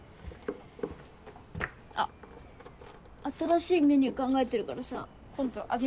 あっ新しいメニュー考えてるからさ今度味見してよ。